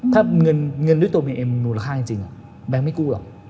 ถ้าเงินด้วยตัวบีเอ็มมูลค่าจริงแบงค์ไม่กู้หรอก